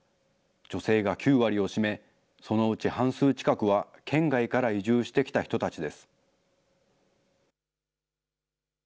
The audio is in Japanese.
女性が９割を占め、そのうち半数近くは県外から移住してきた人たちです。